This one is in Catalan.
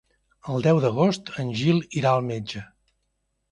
El deu d'agost en Gil irà al metge.